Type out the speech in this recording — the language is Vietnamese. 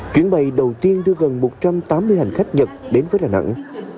chuyến bay đầu tiên đưa gần một trăm tám mươi hành khách nhật đến với đà nẵng